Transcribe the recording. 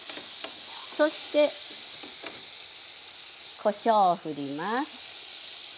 そしてこしょうを振ります。